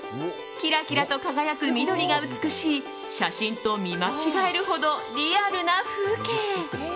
キラキラと輝く緑が美しい写真と見間違えるほどリアルな風景。